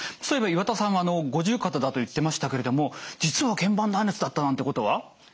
そういえば岩田さんは五十肩だと言ってましたけれども実は腱板断裂だったなんてことは？